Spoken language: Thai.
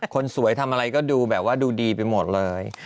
คนสวยทำอะไรก็ดูดีไปหมดเลย